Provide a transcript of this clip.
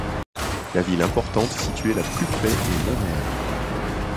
La ville importante située la plus près est Montréal.